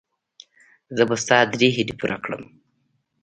زه به ستا درې هیلې پوره کړم.